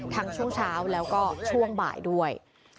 ช่วงเช้าแล้วก็ช่วงบ่ายด้วย